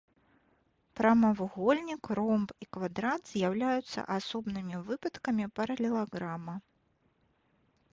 Прамавугольнік, ромб і квадрат з'яўляюцца асобнымі выпадкамі паралелаграма.